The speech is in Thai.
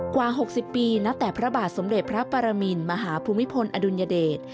กว่า๖๐ปีนับแต่พระบาทสมเด็จพระปรมินมหาภูมิพลอดุลยเดช